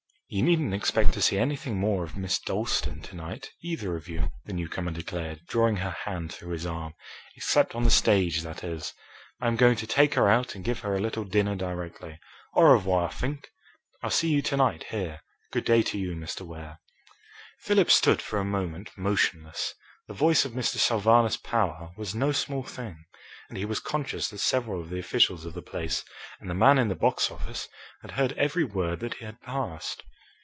"You needn't expect to see anything more of Miss Dalstan to night, either of you," the newcomer declared, drawing her hand through his arm, "except on the stage, that is. I am going to take her out and give her a little dinner directly. Au revoir, Fink! I'll see you to night here. Good day to you, Mr. Ware." Philip stood for a moment motionless. The voice of Mr. Sylvanus Power was no small thing, and he was conscious that several of the officials of the place, and the man in the box office, had heard every word that had passed.